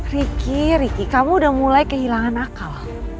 riki riki kamu udah mulai kehilangan nakal